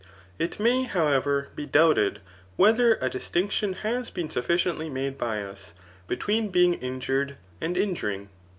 It may, however, be doubted whether a distinction has been sufficiently made by us, between being injured, and injuring.